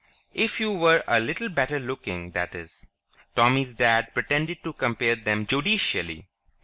If you were a little better looking, that is." Tommy's dad pretended to compare them judicially.